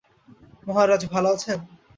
মহারাজ ভালো আছেন।